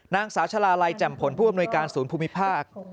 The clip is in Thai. นางสาวชาลาลัยแจ่มผลผู้อำนวยการศูนย์ภูมิภาค